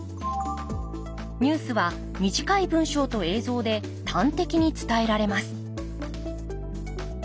ニュースは短い文章と映像で端的に伝えられます